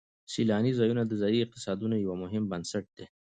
سیلاني ځایونه د ځایي اقتصادونو یو مهم بنسټ دی.